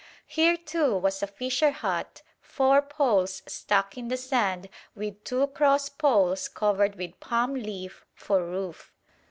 Here, too, was a fisher hut, four poles stuck in the sand with two cross poles covered with palm leaf for roof.